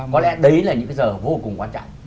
có lẽ đấy là những cái giờ vô cùng quan trọng